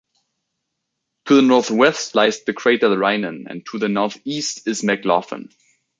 To the northwest lies the crater Rynin and to the northeast is McLaughlin.